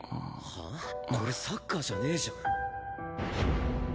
これサッカーじゃねえじゃん。